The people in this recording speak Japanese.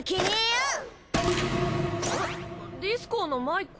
ディスコウのマイク？